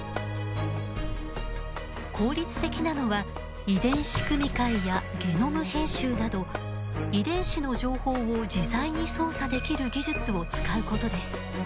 効率的なのは遺伝子組み換えやゲノム編集など遺伝子の情報を自在に操作できる技術を使うことです。